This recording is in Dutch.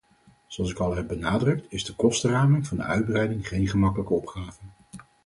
Zoals ik al heb benadrukt, is de kostenraming van de uitbreiding geen gemakkelijke opgave.